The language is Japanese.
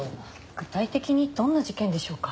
具体的にどんな事件でしょうか？